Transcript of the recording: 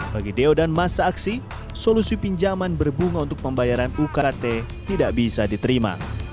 bagi deo dan masa aksi solusi pinjaman berbunga untuk pembayaran ukrate tidak bisa diterima